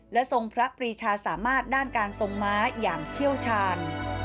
และทรงพระปรีชาสามารถด้านการทรงม้าอย่างเชี่ยวชาญ